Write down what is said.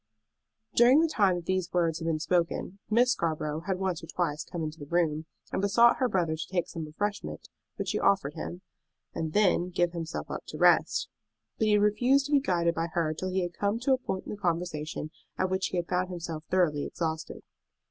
During the time that these words had been spoken Miss Scarborough had once or twice come into the room, and besought her brother to take some refreshment which she offered him, and then give himself up to rest. But he had refused to be guided by her till he had come to a point in the conversation at which he had found himself thoroughly exhausted.